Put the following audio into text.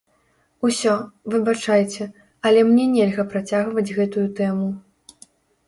Усё, выбачайце, але мне нельга працягваць гэтую тэму.